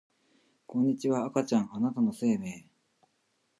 こんにちは赤ちゃんあなたの生命